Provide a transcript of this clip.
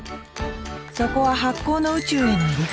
そこは発酵の宇宙への入り口。